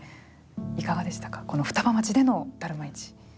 いかがでしたかこの双葉町でのダルマ市。